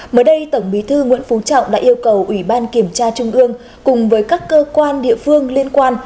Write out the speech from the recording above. mới đây tổng bí thư nguyễn phú trọng đã yêu cầu ủy ban kiểm tra trung ương cùng với các cơ quan địa phương liên quan